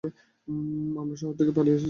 আমরা শহর থেকে পালিয়ে এসেছি।